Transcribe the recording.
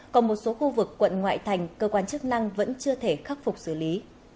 còn một số khu vực quận ngoại thành cơ quan chức năng vẫn chưa thể khắc phục xử lý